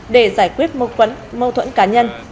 để giải quyết mâu thuẫn cá nhân